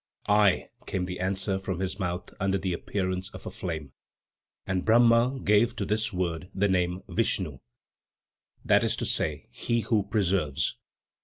"I," came the answer from his mouth under the appearance of a flame. And Brahma gave to this word the name, "Vishnu," that is to say, "he who preserves."